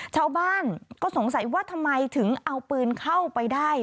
ชาวบ้านก็สงสัยว่าทำไมถึงเอาปืนเข้าไปได้